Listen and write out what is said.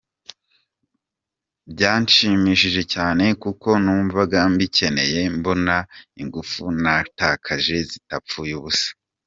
Byanshimishije cyane kuko numvaga mbikeneye mbona ko ingufu natakaje zitapfuye ubusa.